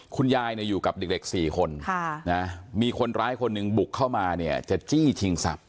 คุณยายอยู่กับเด็ก๔คนมีคนร้ายคนหนึ่งบุกเข้ามาเนี่ยจะจี้ชิงทรัพย